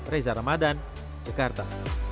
reza ramadan jakarta